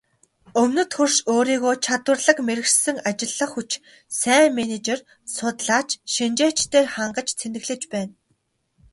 Өмнөд хөрш өөрийгөө чадварлаг мэргэшсэн ажиллах хүч, сайн менежер, судлаач, шинжээчдээр хангаж цэнэглэж байна.